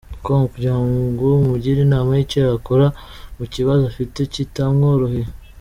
com kugira ngo mumugire inama y’icyo yakora mu kibazo afite kitamworoheye.